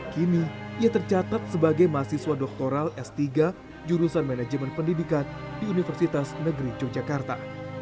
kini ia tercatat sebagai mahasiswa doktoral s tiga jurusan manajemen pendidikan di universitas negeri yogyakarta